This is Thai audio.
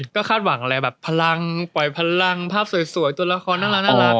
ก็คาดหวังอะไรแบบพลังปล่อยพลังภาพสวยตัวละครน่ารัก